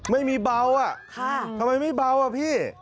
ไม่มีเบาอ่ะทำไมไม่เบาอ่ะพี่